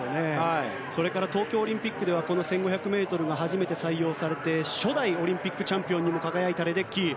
それから東京オリンピックではこの１５００ｍが初めて採用されて初代オリンピックチャンピオンにも輝いたレデッキー。